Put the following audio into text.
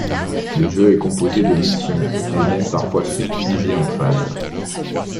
Le jeu est composé de missions, elles-mêmes parfois sous-divisé en phases.